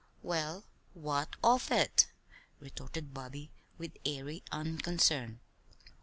"Well, what of it?" retorted Bobby, with airy unconcern.